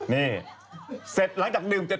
นี่เสร็จหลังจากดื่ม